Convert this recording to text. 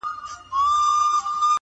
یارانو لوبه اوړي د اسمان څه به کوو؟!!